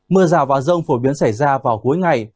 mưa rào và rông phổ biến xảy ra vào cuối ngày